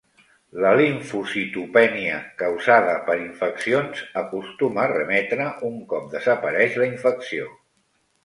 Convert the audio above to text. La limfocitopènia causada per infeccions acostuma a remetre un cop desapareix la infecció.